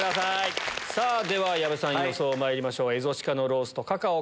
では矢部さん予想まいりましょう。